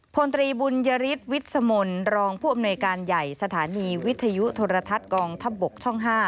พลตรีบุญยฤทธิวิสมลรองผู้อำนวยการใหญ่สถานีวิทยุโทรทัศน์กองทัพบกช่อง๕